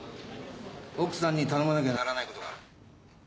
奥さんに頼まなきゃならないことがある。